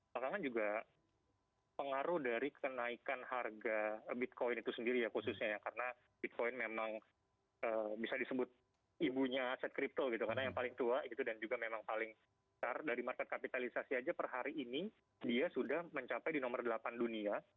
belakangan juga pengaruh dari kenaikan harga bitcoin itu sendiri ya khususnya ya karena bitcoin memang bisa disebut ibunya aset kripto gitu karena yang paling tua gitu dan juga memang paling besar dari market kapitalisasi aja per hari ini dia sudah mencapai di nomor delapan dunia